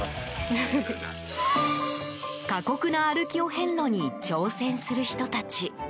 過酷な歩きお遍路に挑戦する人たち。